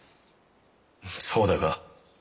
そうだが。